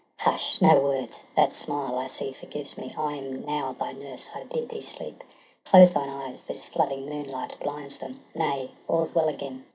Hush, no words 1 that smile, I see, forgives me. I am now thy nurse, I bid thee sleep. Close thine eyes — this flooding moonlight blinds them !— Nay, all's well again!